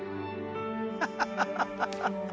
ハハハ